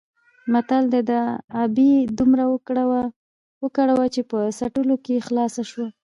متل دی: د ابۍ دومره وګره وه چې په څټلو کې خلاصه شوه.